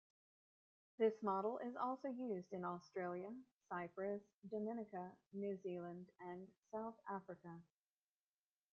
This model is also used in Australia, Cyprus, Dominica, New Zealand and South Africa.